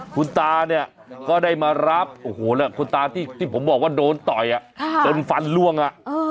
คุณตาเนี่ยก็ได้มารับคุณตาที่ผมบอกว่าโดนต่อยอะจนฟันล่วงอะ